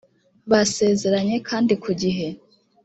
basezeranye kandi ku gihe